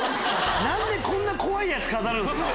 何でこんな怖いやつ飾るんすか？